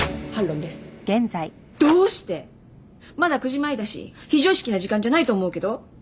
まだ９時前だし非常識な時間じゃないと思うけど。